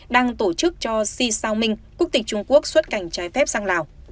đang tổ chức cho si sao minh quốc tịch trung quốc xuất cảnh trái phép sang lào